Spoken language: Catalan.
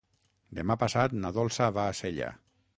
Demà passat na Dolça va a Sella.